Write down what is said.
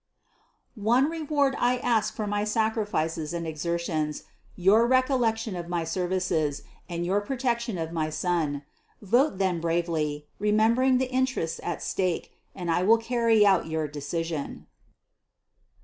_One reward I ask for my sacrifices and exertions your recollection of my services, and your protection of my son. Vote then bravely, remembering the interests at stake, and I will carry out your decision.